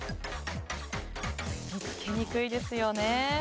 見つけにくいですよね。